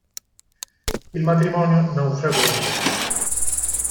Il matrimonio naufragò in breve.